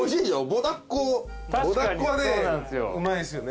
ぼだっこはねうまいんすよね。